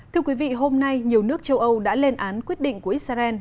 thưa quý vị hôm nay nhiều nước châu âu đã lên án quyết định của israel